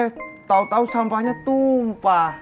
saya tahu tahu sampahnya tumpah